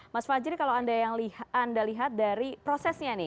mas fajri kalau anda lihat dari prosesnya nih